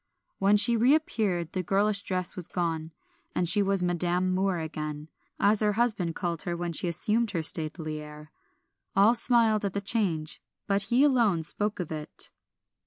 When she reappeared the girlish dress was gone, and she was Madam Moor again, as her husband called her when she assumed her stately air. All smiled at the change, but he alone spoke of it.